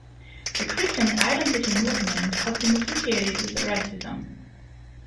The Christian Identity movement has been associated with racism.